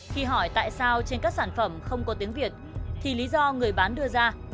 khi hỏi tại sao trên các sản phẩm không có tiếng việt thì lý do người bán đưa ra